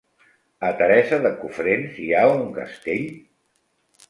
A Teresa de Cofrents hi ha un castell?